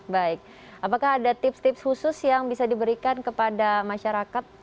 baik apakah ada tips tips khusus yang bisa diberikan kepada masyarakat